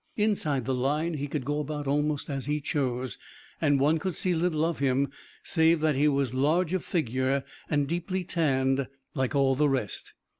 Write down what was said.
Inside the line he could go about almost as he chose, and one could see little of him, save that he was large of figure and deeply tanned, like all the rest.